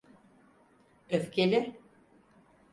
Öfkeli…